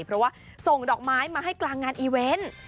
เพราะว่าส่งดอกไม้มาให้กลางงานอีเวนต์